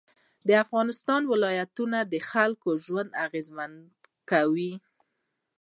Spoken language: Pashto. د افغانستان ولایتونه د خلکو ژوند اغېزمن کوي.